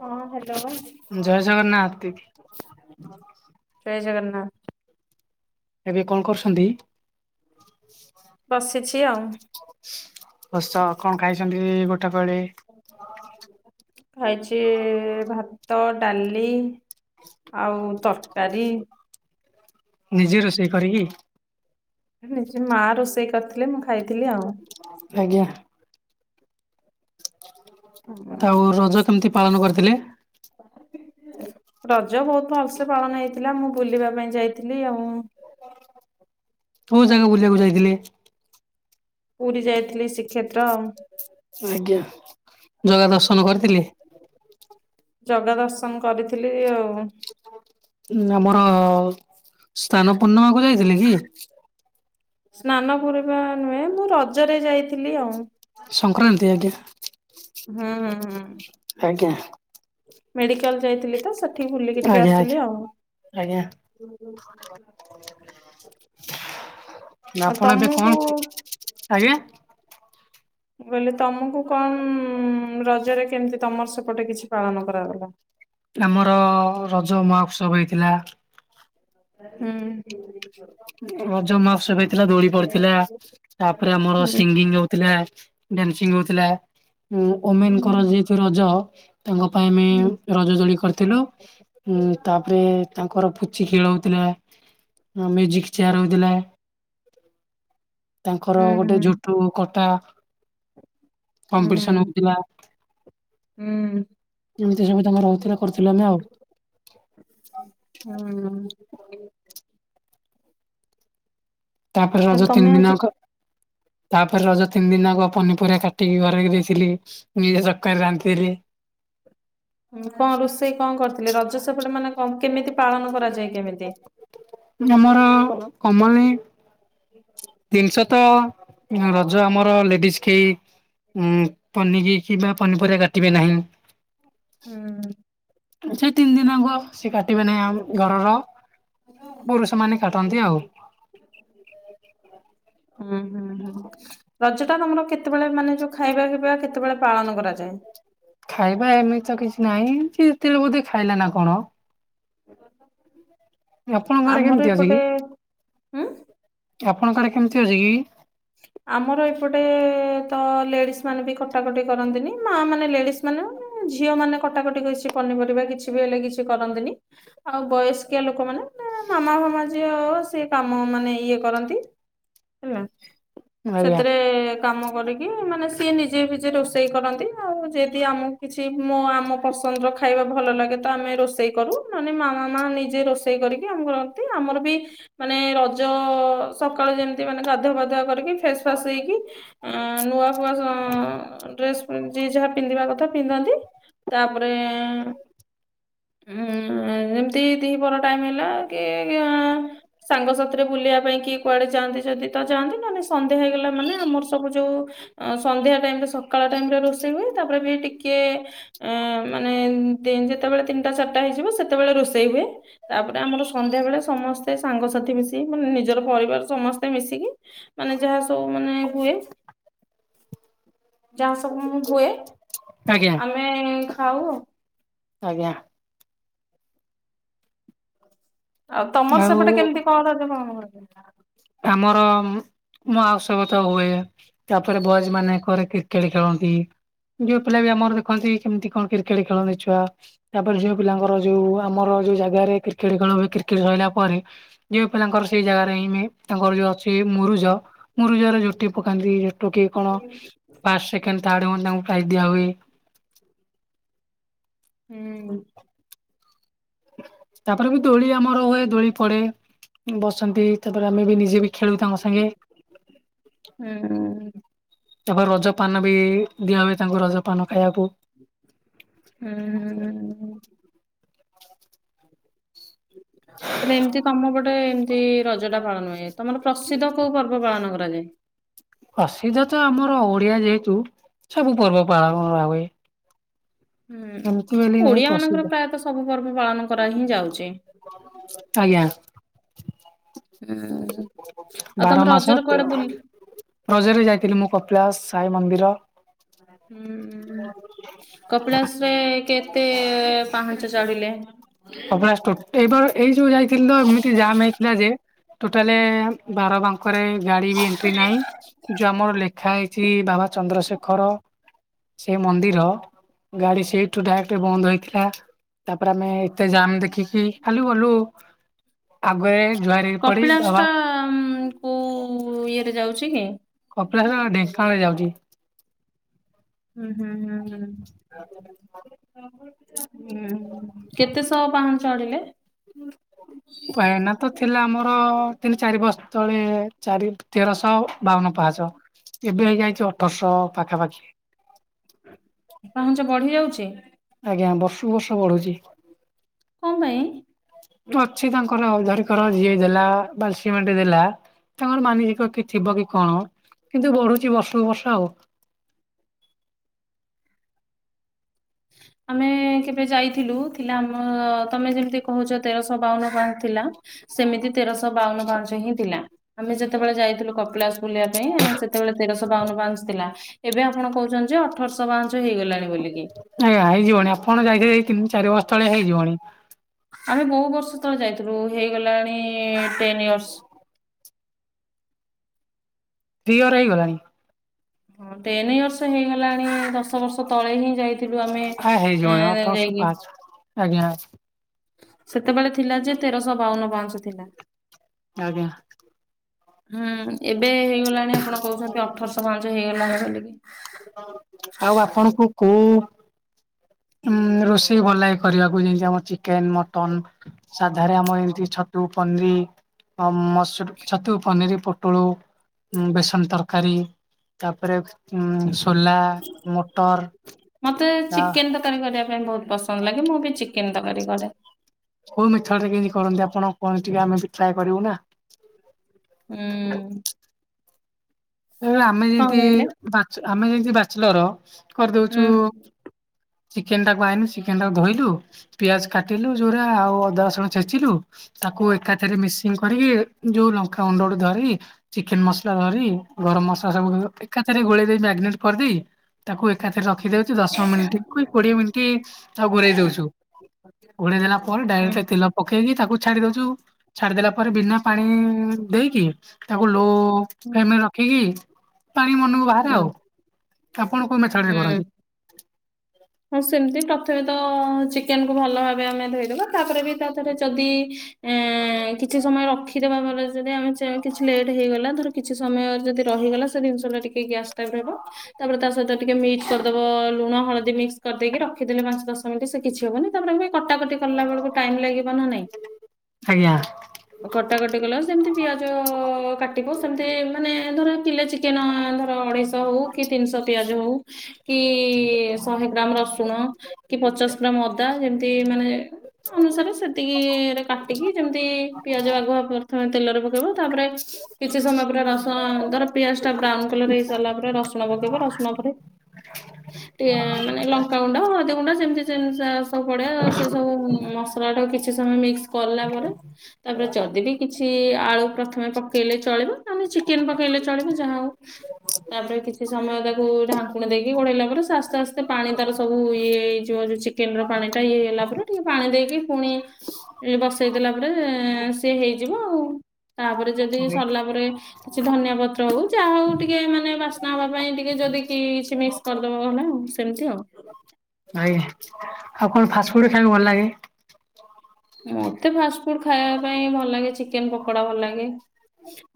ହଁ ହ୍ୟାଲୋ। [inaudible] ଜୟ ଜଗନ୍ନାଥ। ଜୟ ଜଗନ୍ନାଥ। ଏବେ କଣ କରୁଛନ୍ତି? ବସିଛି ଆଉ। ବସ, କଣ ଖାଇକନ୍ତି ଗୋଟେ? [unintelligible] ଖାଇଛି ଭାତ, ଡାଲି ଆଉ ତରକାରୀ। ନିଜେ ରୋଷେଇ କରିକି। [inaudible] ମା ରୋଷେଇ କରିଥିଲେ, ମୁଁ ଖାଇଥିଲି ଆଉ। [inaudible] ଆଜ୍ଞା। [unintelligible] ରଜ କେମିତି ପାଳନ କରିଥିଲେ? [inaudible] ରଜ ବହୁତ ଭଲସେ ପାଳନ ହେଇଥିଲା। ମୁଁ ବୁଲିବା ପାଇଁ ଯାଇଥିଲି ଆଉ। କୋଉ ଜାଗା ବୁଲିବାକୁ ଯାଇଥିଲେ? ପୁରୀ, ଯାଇଥିଲି ଶ୍ରୀକ୍ଷେତ୍ର। ଆଜ୍ଞା, ଜଗା ଦର୍ଶନ କରଥିଲେ? ଜଗା ଦର୍ଶନ କରିଥିଲି ଆଉ। ଆମର ସ୍ନାନ ପୂର୍ଣ୍ଣିମାକୁୁ ଯାଇଥିଲେ କି? ସ୍ନାନ ପୂର୍ଣ୍ଣିମା ନୁହେଁ, ମୁଁ ରଜରେ ଯାଇଥିଲି ଆଉ। ସଂକ୍ରାନ୍ତି ଆଜ୍ଞା। ହଁ ହଁ। ଆଜ୍ଞା। ମେଡିକାଲ ଯାଇଥିଲି, ତ ସେ ବୁଲିକି ଟିକେ ଆଜ୍ଞା। ଆସିଲି ଆଉ। ଆଜ୍ଞା [inaudible] ଆଜ୍ଞା। [inaudible] ଆଉ ଆପଣ ଏବେ କଣ ତମକୁ ଆଜ୍ଞା। ମୁଁ କହିଲି, ତମକୁ କଣ ରଜରେ କେମିତି ତମର ସେପଟେ କିଛି ପାଳନ କରାଗଲା? ଆମର ରଜ ମହୋତ୍ସବ ହେଇଥିଲା। ହୁଁ। ରଜ ମହତ୍ସବ ହେଇଥିଲା, ଦୋଳି ପଡିଥିଲା। ତାପରେ ଆମର ହୁଁ ସିଙ୍ଗିଙ୍ଗ ହଉଥିଲା, ଦାନ୍ସିଂ ହଉଥିଲା। ଓମେନଙ୍କର ହୁଁ ଯେହେତୁ ରଜ, ତାଙ୍କ ପାଇଁ ଆମେ ରଜ ଦୋଳି କରି ଥିଲୁ। ତାପରେ ତାଙ୍କର ପୁଚି ଖେଳ ହଉଥିଲା, ମ୍ୟୁଜିକ ଚେୟାର ହଉ ଥିଲା, ତାଙ୍କର ହୁଁ ଗୋଟେ ଝୋଟ କଟା ହୁଁ କମ୍ପିଟସନ ହଉଥିଲା। ହୁଁ [inaudible] ଏମିତି ସବୁ ତମର ରହୁଥିଲା, କରିଥିଲୁ ଆମେ ଆଉ। ହୁଁ। ତାପରେ ଆଉ ରଜ ତମେ ତିନି ଦିନ ଆଜି ଆଙ୍କ ତାପରେ ରଜ ତିନି ଦିନ ଆଙ୍କ ପନିପରିବା କାଟିକି ଘରି ଦେଇଥିଲି, ନିଜ ତରକାରୀ ରାନ୍ଧିଥିଲି। କଣ ରୋଷେଇ କଣ କରିଥିଲେ? ରଜ ସେପଟ ମାନେ କେମିତି ପାଳନ କରାଯାଏ, କେମିତି? ଆମର କମଲୀ ଜିନିଷ ତ ରଜ ଆମର ଲେଡିଜ୍ କି ଉଁ, ପନିକି କିବା ପନିପରିବା କାଟିବେ ନାହିଁ। ହୁଁ। ସେଇ ତିନି ଦିନ ଆଗ ସିଏ କାଟିବେ ନାହିଁ ଘରର। ପୁରୁଷ ମାନେ କାଟନ୍ତି ଆଉ। ହୁଁ ହୁଁ ହୁଁ ରଜ ଟା ତମର କେ କେତେବେଳେ ମାନେ ଯୋଉ ଖାଇବା ପିଇବା କେତେବେଳେ ପାଳନ କରାଯାଏ? ଖାଇବା ଏମିତି ତ କିଛି ନାହିଁ। ଯେଯେତେବେ ବୋଧେ ଖାଇଲା ନା କଣ? ଆପଣଙ୍କ ଆରେ ଆମର କେମିତି ଅଛି ଏପଟେ କି ଉଁ ଆପଣଙ୍କ କାଡେ କେମିତି ଅଛି କି? ଆମର ଏପଟେ ତ ଲେଡିସ୍ ମାନେ ବି କଟାକଟି କରନ୍ତିନି ମା ମାନେ ଲେଡିସ୍ ମାନେ ଝିଅ ମାନେ କଟାକଟି ବେଶି ପନିପରିବା କିଛି ବି ହେଲେ କିଛି କରନ୍ତିନି। ଆଉ ବୟସ୍କିଆ ଲୋକମାନେ ମାମା ଫାମା ଯିଏ ସେ କାମ ମାନେ ଇଏ କରନ୍ତି। ହେଲା ଆଜ୍ଞା ସେଥିରେ କାମ କରିକି ମାନେ ସିଏ ନିଜେ ନିଜେ ରୋଷେଇ କରନ୍ତି। ଆଉ ଯଦି ଆମକୁ କିଛି ମୋ ଆମ ପସନ୍ଦର ଖାଇବା ଭଲ ଲାଗେ ତ ଆମେ ରୋଷେଇ କରୁ। ନନେ ମାମା ମା ନିଜେ ରୋଷେଇ କରିକି ଆମକୁ ତି ଆମର ବି ମାନେ ରଜ ସକାଳୁ ଯେମିତି ମାନେ ଗାଧୁଆ ପାଧୁଆ କରିକି ଫେସ୍ ଫାସ୍‌ ହେଇ କିି ଉଁ ନୂଆଫୁଆ ଉଁ ଡ୍ରେସ୍‌ ପେଣ୍ଟ ଜି ଯାହା ପିନ୍ଧିବା କଥା ପିନ୍ଧନ୍ତି। ତାପରେ ଉଁ ଯେମିତି ଦିପହର ଟାଇମ୍ ହେଲା କି ଆଁ ସାଙ୍ଗସାଥିରେ ବୁଲିବା ପାଇଁ କିଏ କୁଆଡେ ଯାଆନ୍ତି ଯଦି ତ ଯାଆନ୍ତି ନହଲେ ସନ୍ଧ୍ୟାହେଇଗଲା ମାନେ ଆମର ସବୁଯୋଉ ସନ୍ଧ୍ୟାଟାଇମ୍ ରେ। ସକାଳ ଟାଇମ୍ ଟା ରୋଷେଇ ହୁଏ ତାପରେ ବି ଟିକେ ମାନେ ନ୍ତି ଯେତେବେଳେ ତିନିଟା ଚାରିଟା ହେଇଯିବ ସେତେବେଳେ ରୋଷେଇ ହୁଏ। ତାପରେ ଆମର ସନ୍ଧ୍ୟା ବେଳେ ସମସ୍ତେ ସାଙ୍ଗସାଥି ମିଶିକି ମାନେ ନିଜର ପରିବାର ସମସ୍ତେ ମିଶିକି ମାନେ ଯାହା ସବୁ ମାନେ ହୁଏ। ଯାହା ସବୁ ହୁଏ ଆଜ୍ଞା ଆମେ ଖାଉ ଆଉ। ଆଜ୍ଞା। ଆଉ ତମର ସେପଟେ କେମିତି କଣ [unintelligible] ଆମର ମୁଁ ମୁଁ ଆଉ ସବୁ କଥା ହୁଏ ତାପରେ ବଏଜ୍‌ ମାନେ କରେ କ୍ରିକେଟ୍ ଖେଳନ୍ତି। ଝିଅ ପିଲା ବି ଆମର ଦେଖନ୍ତି କେମିତି କଣ କ୍ରିକେଟ୍ ଖେଳନ୍ତି ଛୁଆ। ତାପରେ ଝିଅ ପିଲାଙ୍କର ଯୋଉ ଆମର ଯୋଉ ଜାଗାରେ କ୍ରିକେଟ୍‌ ଖେଳ ହୁଏ କ୍ରିକେଟ୍ ସରିଲା ପରେ ଝିଅ ପିଲାଙ୍କର ସେଇ ଜାଗାରେ ହିଁ ହୁଏ। ତାଙ୍କର ଯୋଉ ଅଛି ମୁରୁଜ ମୁରୁଜରେ ଝୋଟି ପକାନ୍ତି ଟୁ କି କଣ। ଫାଷ୍ଟ ସେକେଣ୍ଡ ଥାର୍ଡ଼ ହୁଅନ୍ତି ତାଙ୍କୁ ପ୍ରାଇଜ୍ ଦିଆ ହୁଏ। ହୁଁ। ତାପରେ ବି ଦୋଳି ଆମର ହୁଏ ଦୋଳି ପଡେ ବସନ୍ତି ତାପରେ ଆମେ ବି ନିଜେ ବି ଖେଳୁ ତାଙ୍କ ସାଙ୍ଗେ। ହୁଁ ହୁଁ। ତାପରେ ରଜପାନ ବି ଦିଆ ହୁଏ ତାଙ୍କୁ ରଜପାନ ଖାଇଆକୁ। ହୁଁ। ତମେ ଏମିତି କାମ ବ ତାପରେ ଏମିତି ରଜ ଟା ପାଳନ ହୁଏ। ତମର ପ୍ରସିଦ୍ଧ କୋଉ ପର୍ବ ପାଳନ କରାଯାଏ? ପ୍ରସିଦ୍ଧ ତ ଆମର ଓଡିଆ ଯେହେତୁ ସବୁ ପର୍ବ ପାଳନ କରାହୁଏ। ହୁଁ ନାହିଁ ଓଡିଆ ମାନଙ୍କର ପ୍ରସିଦ୍ଧ ପ୍ରାୟତଃ ସ ସବୁ ପର୍ବ ପାଳନ କରା ହିଁ ଯାଉଛି। ଆଜ୍ଞା। ହୁଁ ଆଉ ବାର ତମେ ମାସ ରଜରେ କୁଆଡେ ବୁଲ୍ ରଜରେ ଯାଇଥିଲି ମୁଁ କପିଳାସ ସାଇ ମନ୍ଦିର। ହୁଁ। କପିଳାସ ରେ କେତେ ପାହାଞ୍ଚ ଚଢିଲେ? କପିଳାସ ଟୋଟା, ଏଇ ଏଇ ଯୋଉ ଯାଇଥିଲି ତ ଏମିତି ଜାମ୍ ହେଇଥିଲା ଯେ, ଟୋଟାଲେ ବାର ପାଉ ଖରେ ଗାଡି ବି ଏଣ୍ଟ୍ରି ନାହିଁ। ଯୋଉ ଆମର ଲେଖା ହେଇଛି ବାବା ଚନ୍ଦ୍ରଶେଖର ସେ ମନ୍ଦିର, ଗାଡି ସେଇଠୁ ଡାଇରେକ୍ଟ ବନ୍ଦ ହେଇଥିଲା। ତାପରେ ଆମେ ଏତେ ଯାମ୍ ଦେଖିକି, ଖାଲୁ ଗଲୁ ଆଗରେ ଜୁଆର ହେଇ ପଡି କପିଳାସ ବାବା ଟା ଉମ କଉ ଇଏରେ ଯାଉଛି କି? କପିଳାସ ଟା ଢେଙ୍କାନାଳରେ ଯାଉଛି। ହୁଁ ହୁଁ ହୁଁ ହୁଁ। [unintelligible] ହୁଁ ହୁଁ କେତେ ଶହ ପାହାଁଚ ଚଢିଲେ? ପାଇନା ତ ଥିଲା ଆମର ତିନି ଚାରି ବର୍ଷ ତଳେ ଚାରି ତେରଶହ ବାବନ ପାହାଚ। ଏବେ ହେଇଯାଇଛି ଅଠରଶହ ପାଖାପାଖି। ପାହଞ୍ଚ ବଢି ଯାଉଛି? ଆଜ୍ଞା ବର୍ଷ କୁ ବର୍ଷ ବଢୁଛି। କଣ ପାଇଁ? ଅଛି ତାଙ୍କର ଅଉ ଧରକର ଯିଏ ଦେଲା ବାଲି, ସିମେଣ୍ଟ ଦେଲା ତାଙ୍କର ମାନସିକ କି ଥିବ କି କଣ? କିନ୍ତୁ ବଢୁଛି ବର୍ଷକୁ ବର୍ଷ ଆଉ। ଆମେ ମେ କେବେ ଯାଇଥିଲୁ ଥିଲା ଆମ ତମେ ଯେମିତି କହୁଛ ତେରଶହ ବାଉନ ପାହାଚ ଥିଲା। ସେମିତି ତେରଶହ ବାଉନ ପାହାଚ ହିଁ ଥିଲା। ଆମେ ଯେତେବେଳେ ଯାଇଥିଲୁ କପିଳାସ ବୁଲିବା ପାଇଁ ଆ ସେତେବେଳେ ତେରଶହ ବାଉନ ପାହାଚ ଥିଲା। ଏବେ ଆପଣ କହୁଛନ୍ତି ଯେ ଅଠରଶହ ପାହଚ ହେଇଗଲାଣି ବୋଲି କି। ଆଜ୍ଞା ହେଇଯିବଣି। ଆପଣ ଯାଇଥିବେ ଏଇ ତିନି ଚାରି ବର୍ଷ ତଳେ ହେଇଯିବଣି। ଆମେ ବହୁ ବର୍ଷ ତଳେ ଯାଇଥିଲୁ ହେଇଗଲାଣି ଟେନ ଇୟର୍ସ। ଦି ଇଅର ହେଇଗଲାଣି। ହଁ ଟେନ ଇୟର୍ସ ହେଇଗଲାଣି ଦଶ ଦଶ ବର୍ଷ ତଳେ ହିଁ ଯାଇଥିଲୁ ଆମେ ଆ ହେଇଯିବଣି ଏଁ ଅଠରଶହ ଯାଇକି। ପାଞ୍ଚ ଆଜ୍ଞା। ସେତେବେଳେ ଥିଲା ଯେ ତେରଶହ ବାଉନ ପାହଚ ଥିଲା। ଆଜ୍ଞା। ହୁଁ ଏବେ ହେଇଗଲାଣି ଆପଣ କହୁଛନ୍ତି ଅଠରଶହ ପାହଚ ହେଇଗଲାଣି ବୋଲିକି। ଆଉ ଆପଣଙ୍କୁ କୋଉ ଉଁ ରୋଷେଇ ଭଲଲାଗେ କରିବାକୁ ଯେମିତି ଆମ ଚିକେନ, ମଟନ। ସାଧାରେ ଆମ ଏମତି ଛତୁ, ପନିର। ଅ ମସରୁତ ଛତୁ, ପନିର, ପୋଟଳ। ଉଁ ବେସନ ତରକାରୀ, ତାପରେ ଉଁ ସୋଲା। ମଟର ମତେ ଆ ଚିକେନ ତରକାରୀ କରିବା ପାଇଁ ବହୁତ ପସନ୍ଦ ଲାଗେ ମୁଁ ବି ଚିକେନ ତରକାରୀ କରେ। କୋଉ ମେଥୋଡ ରେ କେମିତି କରନ୍ତି ଆପଣ କୁହନ୍ତୁ ଟିକେ ଆମେ ବି ଟ୍ରାଏ କରିବୁ ନା। ହୁଁ। ଏବେ ଆମେ କଣ ଯେମତି କହିଲେ? ବାଚ ଆମେ ଯେମିତି ବାଚଲର ହୁଁ କରିଦଉଛୁ ହୁଁ ଚିକେନ ଟାକୁ ଆଇଁଲୁ, ଚିକେନ ଟାକୁ ଧୋଇଲୁ ପିଆଜ କାଟିଲୁ ଯୋଉରା ଆଉ ଅଦା ରସୁଣ ଛେଚିଲୁ ତାକୁ ଏକାଥିରେ ମିସିଂ କରିକି, ଯୋଉ ଲଙ୍କା ଗୁଣ୍ଡ ଧରି, ଚିକେନ ମସଲା ଧରି ଗରମ ମସଲା ସବୁ ଏକାଥରେ ଗୋଳେଇ ଦେଇ ମ୍ୟାଗ୍ନେଟ କରିଦେଇ। ତାକୁ ଏକାଥରେ ରଖି ଦଉଛୁ ଦଶ ମିନିଟ କି କୋଡିଏ ମିନିଟ୍ ତାକୁ ଘୁରେଇ ଦଉଛୁ। ଘୋଡେଇ ଦେଲା ପରେ ଡାଇରେକ୍ଟ ତେଲ। ପକେଇକି ତାକୁ ଛାଡି ଦଉଛୁ ଛାଡିଦେଲା ପରେ ବିନା ପାଣି ଦେଇକି। ତାକୁ ଲୋ ହୁଁ ଫ୍ଲେମ ରେ ରଖିକି ପାଣି ମନକୁ ବାହାରେ ହୁଁ ଆଉ। ତ ଆପଣ କୋଉ ମେଥଡରେ ହୁଁ। କରନ୍ତି। ହଁ ସେମିତି ପ୍ରଥମେ ତ ଚିକେନ କୁ ଭଲ ଭାବେ ଆମେ ଧୋଇଦବା। ତାପରେ ବି ତା ଦେହରେ ଯଦି ଏ କିଛି ସମୟ ରଖି ଦେବା ଭଲରେ ଯଦି ଆମେ କିଛି ଲେଟ୍ ହେଇଗଲା ଧର କିଛି ସମୟ ଅ ଯଦି ରହିଗଲା ସେ ଜିନିଷ ଟା ଟିକେ ଗ୍ୟାସ୍ ଟାଇପ୍ ର ହେବ ତାପରେ ତା ସହିତ ଟିକେ ମି କ୍ସ କରିଦବ ଲୁଣ ହଳଦୀ ମିକ୍ସ କରିଦେଇକି ରଖିଦେଲେ ପାଞ୍ଚ ଦଶ ମିନିଟ ସେ କିଛି ହବନି ତାପରେ ଏ କଟାକଟି। କଲା ବେଳକୁ ଟାଇମ ଲାଗିବ ନା ନାଇଁ। ଆଜ୍ଞା ଆଉ କଟାକଟି କଲା ବେଳକୁ ସେମିତି ପିଆଜ କାଟିବ ସେମିତି ମାନେ ଧର କିଲେ ଚି କେନ ଧର ଅଢେଇଶହ ହଉ କି ତିନିଶହ ପିଆଜ ହଉ କି ଶହେ। ଗ୍ରାମ ରସୁଣ କି ପଚାଶ ଗ୍ରାମ ଅଦା ଯେମିତି ମାନେ। ଅନୁସାରେ ସେତିକି ରେ କାଟିକି ଯେମିତି ପିଆଜ ଆଗୁଆ ପ୍ରଥମେ ତେଲରେ ପକେଇବ ତାପରେ। କିଛି ସମୟ ପରେ ରସ ଧର ପିଆଜ ଟା ବ୍ରାଉନ କଲର ହେଇ ସାରିଲା ପରେ ରସୁଣ ପକେଇବ ରସୁଣ ଉପରେ ଟିକେ ମାନେ ଲଙ୍କାଗୁଣ୍ଡ ହଳଦୀ ଗୁଣ୍ଡ ସେମିତି ସେ ସବୁ ପଡେ ସେ ସବୁ ମସଲା ଟା କିଛି ସମୟ ମିକ୍ସ କଲା ପରେ ତାପରେ ଯଦି ବି କି କିଛି ଆଳୁ ପ୍ରଥମେ ପକେଇଲେ ଚଳିବ ନହେଲେ ଚିକେନ ପକେଇଲେ ଚଳିବ ଯାହା ହଉ ତାପରେ କିଛି ସମୟ ତାକୁ ଢାଙ୍କୁଣି ଦେଇକି ଘୋଡେଇଲା ପରେ ସେ ଆସ୍ତେ ଆ ସେ ପାଣି ତାର ସବୁ ଇଏ ହେଇଯିବ ଯୋଉ ଚିକେନ ର ପାଣି ଟା ଇଏ ହେଇଲା ପରେ ଟିକେ ପାଣି ଦେଇକି ପୁଣି ବସେଇଦଲା ପରେ ସିଏ ହେଇଯିବ ଆଉ ତାପରେ ଯଦି ସରିଲା ପରେ କିଛି ଧନିଆ ପତ୍ର ହଉ ଯାହା ହଉ ଟିକେ ମାନେ ବାସ୍ନା ହେବା ପାଇଁ ଟିକେ ଯଦି କି କିଛି ମିକ୍ସ କରିଦବ ନହେଲେ ଆଉ ସେମିତି ଆଉ ଆଜ୍ଞା ଆଉ କଣ ଫାଷ୍ଟ ଫୁଡ ଖାଇବାକୁ ଭଲ ଲାଗେ ମତେ ଫାଷ୍ଟ ଫୁଡ ଖାଇବା ପାଇଁ ଭଲ ଲାଗେ ଚିକେନ ପକୋଡା ଭଲ ଲାଗେ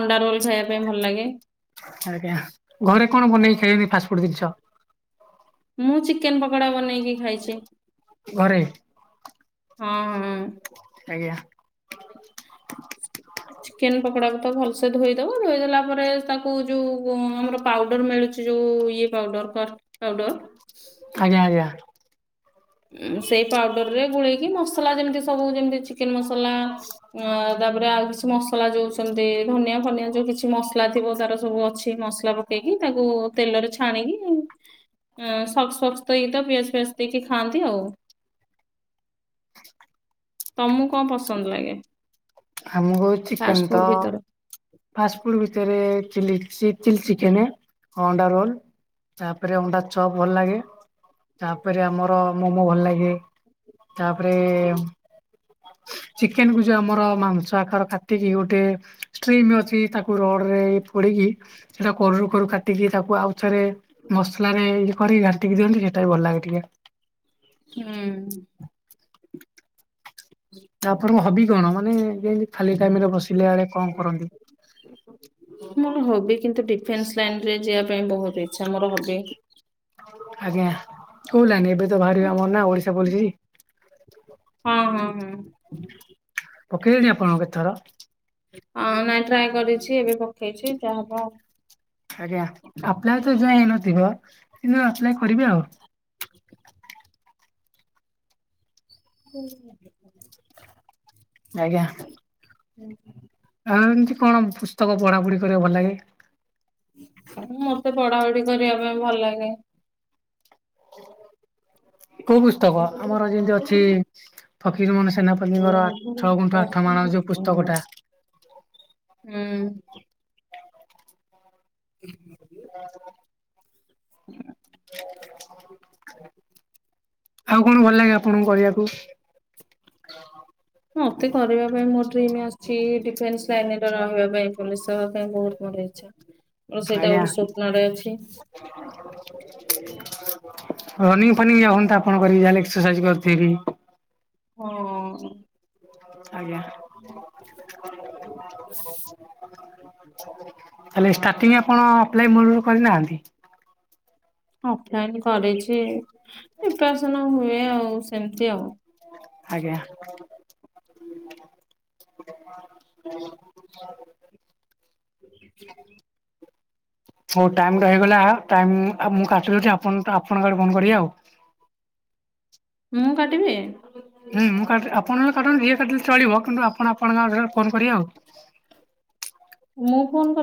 ଅଣ୍ଡା ରୋଲ ଖାଇବା ପାଇଁ ଭଲ ଲାଗେ ଆଜ୍ଞା ଘରେ କଣ ବନେଇ ଖାଇବେ ଫାଷ୍ଟଫୁଡ୍ ଜିନିଷ ମୁଁ ଚିକେନ ପକୋଡା ବନେଇକି ଖାଇଛି ଘରେ ହଁ ହଁ। ଆଜ୍ଞା ହ ଚିକେନ ପକୋଡାକୁ ତ ଭଲସେ ଧୋଇଦବ ଧୋଇଦେଲା ପରେ ତାକୁ ଯୋଉ ଆମର ପାଉଡର ମିଳୁ ଛି ଯୋଉ ଇଏ ପାଉଡର କଷ୍ଟ ପାଉଡର ଆଜ୍ଞା ଆଜ୍ଞା ସେଇ ପାଉଡର ରେ ଗୋଳେଇକି ମସଲା ଯେମିତି ସବୁ ଯେମିତି ଚିକେନ ମସଲା ଅ ତାପରେ ଆଉ କିଛି ମସଲା ଯୋଉଛନ୍ତି ଧନିଆ ଫନିଆ ଯୋଉ କିଛି ମସଲା ଥିବ ତାର ସବୁ ଅଛି ମସ ଲା ପକେଇକି ତାକୁ ତେଲରେ ଛାଣିକି ସକ୍ସ ଫକ୍ସ ଦେଇକି ତ ପିଆଜ ଫିଆଜ ଦେଇକି ଖାଆନ୍ତି ଆଉ ତମକୁ କଣ ପସନ୍ଦ ଲାଗେ ଆମକୁ ଚିକେନ ଫାଷ୍ଟ ଫୁଡ ତ ଭିତରେ? ଫାଷ୍ଟ ଫୁଡ ଭିତରେ ଚିଲି ଚି ଚିଲି ଚିକେନ ଆଉ ଅଣ୍ଡା ରୋଲ ତାପରେ ଅଣ୍ଡା ଚପ ଭଲ ଲାଗେ ତାପରେ ଆମର ମୋମୋ ଭଲ ଲାଗେ ତାପରେ ଚିକେନ କୁ ଯେ ଆମର ମାଂସ ଆକାର କାଟିକି ଗୋଟେ ଷ୍ଟ୍ରିମ ଅଛି ତାକୁ ରଡରେ ପୋଡିକି ସେଟା କରରୁ କରୁ କାଟିକି ତାକୁ ଆଉ ଥରେ ମସଲା ଇଏ କରିକି ଘାନ୍ଟିକି ଦିଅନ୍ତି ସେଇଟା ବି ଭଲ ଲାଗେ ଟିକେ। ହୁଁ। ତାପରେ ହବି କଣ ମାନେ ଯେମତି ଖାଲି ଟାଇମରେ ବସିଲା ବେଳେ କଣ କରନ୍ତି? ମୋର ହବି କିନ୍ତୁ ଡିଫେନ୍ସ ଲାଇନରେ ଯିବା ପାଇଁ ବହୁତ ଇଚ୍ଛା ମୋର ହବି। ଆଜ୍ଞା କୁଲାନି ଏବେ ତ ବାହାରିବ ଆମର ନା ଓଡିଶା ପୋଲିସ। ହଁ ହଁ ହଁ। ପକେଇଲେଣି ଆପଣ କେତେ ଥର? ହଁ ନାଇଁ ଟ୍ରାଏ କରିଛି ଏବେ ପକେଇଛି ଯାହା ହବ ଆଉ। ଆଜ୍ଞା ଆପ୍ଲାଏ ତ ଏ ଯାଏଁ ହେଇନଥିବ କିନ୍ତୁ ଆପ୍ଲାଏ କରିବେ ଆଉ। [inaudible] [inaudible] ଆଜ୍ଞା। [inaudible] ଆଉ ଏମିତି କଣ ପୁସ୍ତକ ପଢା ପଢି କରିବାକୁ ଭଲ ଲାଗେ? ମୋତେ ପଢାପଢି କରିବା ପାଇଁ ଭଲ ଲାଗେନି। କୋଉ ପୁସ୍ତକ ହୁଁ। ଆମର ଯେମିତି ଅଛି ଫକୀର ମୋନ ସେନାପତୀଙ୍କର ଛଅଗୁଣ୍ଠ ଆଠ ମାଣ ଯଉ ପୁସ୍ତକଟା। ହୁଁ। [inaudible] [inaudible] ଆଉ କଣ ଭଲ ଲାଗେ ଆପଣଙ୍କୁ କରିବାକୁ? [inaudible] ମତେ କରିବା ପାଇଁ ମୋର ଡ୍ରିମ ଅଛି ଡିଫେନ୍ସ ଲାଇନରେ ରହିବା ପାଇଁ ପୋଲିସ ହେବା ପାଇଁ ବହୁତ ମୋର ଇଚ୍ଛା। ମୋର ସେଇଟା ଆଜ୍ଞା ଗୋଟେ ସ୍ୱପ୍ନଟେ ଅଛି। ରନିଙ୍ଗ ଫନିଂ ଯାଉ ହନ୍ତା ଆପଣ କରିକି ଯାହେଲେ ଏକ୍ସରସାଇଜ କରିଥିବି। ହଁ। ଆଜ୍ଞା। ତାହେଲେ ଷ୍ଟାର୍ଟିଂ ଆପଣ ଆପ୍ଲାଏ ମୂଳରୁ କରିନାହାନ୍ତି। ଅଫଲାଇନ୍ କରିଛି ପ୍ରେପରେସନ ହୁଏ ଆଉ ସେମିତି ଆଉ। ଆଜ୍ଞା। [inaudible] [inaudible] ହଉ ଟାଇମ ତ ହେଇଗଲା ଟାଇମ ମୁଁ କାଟି ଦେଉଛି ଆପଣଙ୍କ ଆଡୁ ଫୋନ କରିବ ଆଉ। ମୁଁ କାଟିବି? ହଁ [unintelligible] ଯିଏ କାଟିଲେ ଚଳିବ କିନ୍ତୁ [unintelligible] ଆପଣ ଆପଣଙ୍କ ଫୋନ କରିବେ ଆଉ। ମୁଁ ଫୋନ କରିବି?